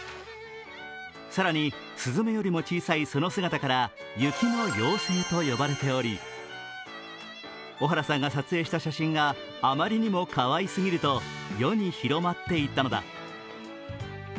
更に、すずめよりも小さいその姿から雪の妖精と呼ばれており、小原さんが撮影した写真があまりにもかわいすぎると世に広まっていったのだ。